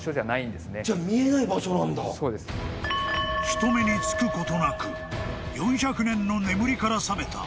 ［人目につくことなく４００年の眠りから覚めた］